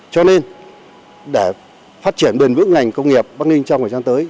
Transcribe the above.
cho nên để phát triển bền vững ngành công nghiệp bắc ninh trong thời gian tới